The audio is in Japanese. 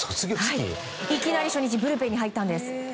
いきなり初日ブルペンに入ったんです。